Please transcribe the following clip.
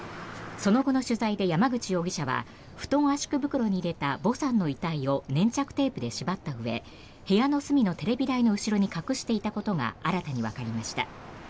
その後の取材で山口容疑者は布団圧縮袋に入れたヴォさんの遺体を粘着テープで縛ったうえ部屋の隅のテレビ台の後ろに隠していたことが新たにわかりました。